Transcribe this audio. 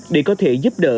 để có thể giúp đỡ